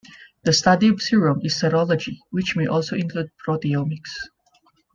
The study of serum is serology, which may also include proteomics.